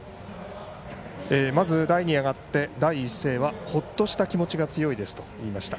まず台に上がって第一声はほっとした気持ちが強いですと言いました。